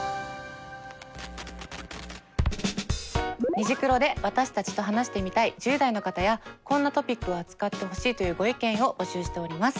「虹クロ」で私たちと話してみたい１０代の方やこんなトピックを扱ってほしいというご意見を募集しております。